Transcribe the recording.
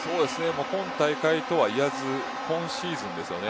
今大会とは言わず今シーズンですよね。